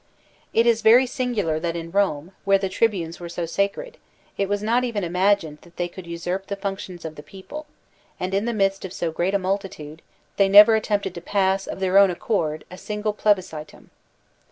It is very singular that in Rome, where the tribunes were so sacred, it was not even imagined that they could usurp the func DEPUTIES OR REPRESENTATIVES 85 tions of the people, and in the midst of so great a mul titude, they never attempted to pass of their own accord a single plebiscitum.